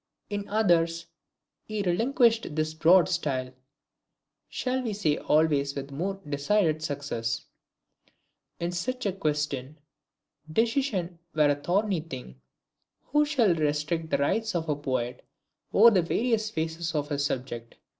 In others he relinquished this broad style: Shall we say always with a more decided success? In such a question, decision were a thorny thing. Who shall restrict the rights of a poet over the various phases of his subject?